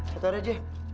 satu hari aja